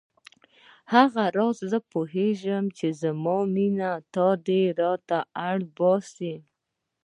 دغه راز زه پوهېږم چې زما مینه تا دې ته اړ باسي.